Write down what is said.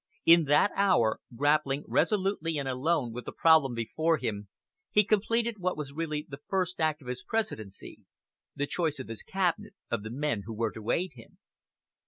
In that hour, grappling resolutely and alone with the problem before him, he completed what was really the first act of his Presidency the choice of his cabinet, of the men who were to aid him.